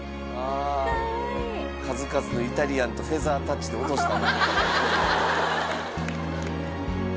数々のイタリアンとフェザータッチで落とした。